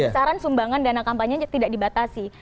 besaran sumbangan dana kampanye tidak dibatasi